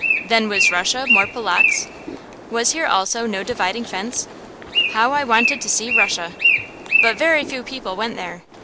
Then was Russia more Polotzk? Was here also no dividing fence? How I wanted to see Russia! But very few people went there.